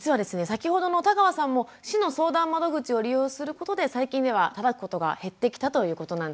先ほどの田川さんも市の相談窓口を利用することで最近ではたたくことが減ってきたということなんです。